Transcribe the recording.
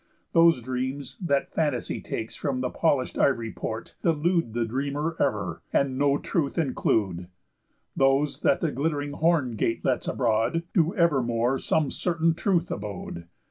Those dreams, that fantasy Takes from the polish'd ivory port, delude The dreamer ever, and no truth include; Those, that the glitt'ring horn gate lets abroad, Do evermore some certain truth abode.